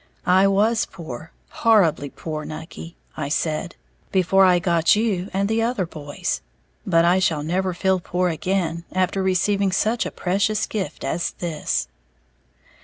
"I was poor, horribly poor, Nucky," I said, "before I got you and the other boys. But I shall never feel poor again, after receiving such a precious gift as this!"